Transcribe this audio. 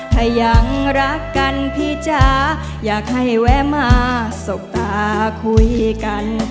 ถ้ายังรักกันพี่จ๋าอยากให้แวะมาสบตาคุยกัน